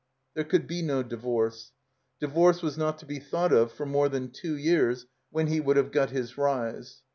There could be no divorce. Divorce was not to be thought of for more than two years, when he would have got his rise.